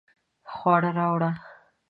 خواړه راوړه